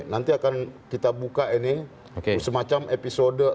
nanti akan kita buka ini semacam episode